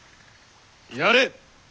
やれ。